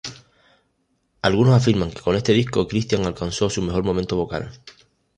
Algunos afirman que con este disco Cristian alcanzó su mejor momento vocal.